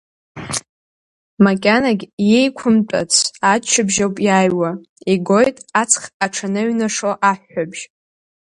Макьанагь еиқәымтәац аччабжь ауп иааҩуа, игоит аҵхаҽанаҩнашо аҳәҳәабжь.